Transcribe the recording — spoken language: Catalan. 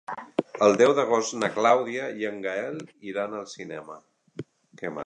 El deu d'agost na Clàudia i en Gaël iran al cinema.